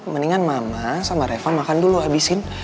mendingan mama sama reva makan dulu abisin